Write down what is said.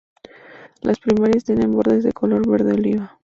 Las primarias tienen bordes de color verde oliva.